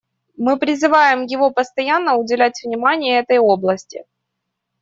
Мы призываем его постоянно уделять внимание этой области.